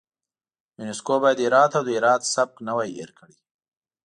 یونسکو باید هرات او د هرات سبک نه وای هیر کړی.